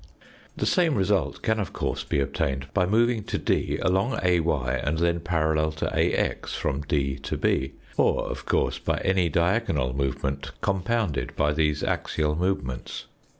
The same result can of course be obtained by moving to D along AY and then parallel to AX from D to B, or of course by any diagonal movement compounded by these axial movements.